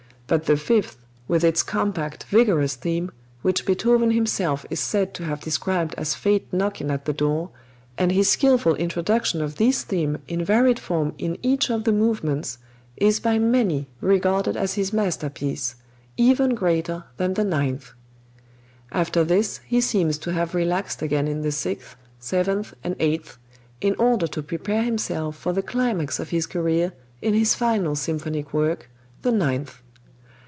But the Fifth, with its compact, vigorous theme, which Beethoven himself is said to have described as Fate knocking at the door, and his skillful introduction of this theme in varied form in each of the movements, is by many regarded as his masterpiece even greater than the Ninth. After this he seems to have relaxed again in the Sixth, Seventh and Eighth, in order to prepare himself for the climax of his career in his final symphonic work, the Ninth.